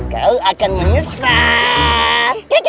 kau akan mengesah